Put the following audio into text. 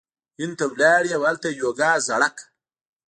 هند ته لاړ او هلته یی یوګا زړه کړه